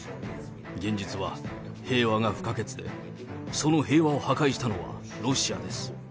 現実は平和が不可欠で、その平和を破壊したのは、ロシアです。